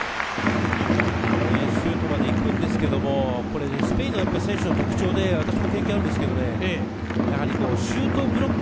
シュートまで行くんですけれど、スペインの選手の特徴で私も経験があるのですが、シュートブロック。